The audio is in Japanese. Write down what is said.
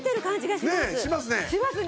しますね。